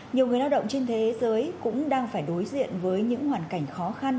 nhiều người lao động trên thế giới cũng đang phải đối diện với những hoàn cảnh khó khăn